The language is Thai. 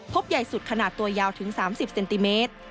ใหญ่สุดขนาดตัวยาวถึง๓๐เซนติเมตร